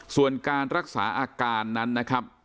ส่วนการรักษาอาการนั้นนะครับ